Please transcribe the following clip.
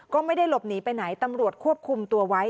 ก็ไม่ได้หลบหนีไปไหนตำรวจควบคุมตัวไว้